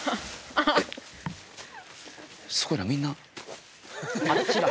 すごいなみんな。